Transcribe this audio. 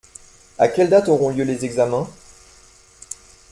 À quelle date auront lieu les examens ?